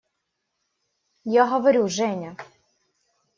Я говорю: «Женя…»